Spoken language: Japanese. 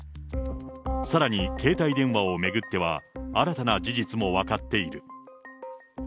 さらに、携帯電話を巡っては、新たな事実も分かっている。